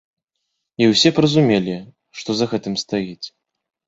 І ўсе б разумелі, што за гэтым стаіць.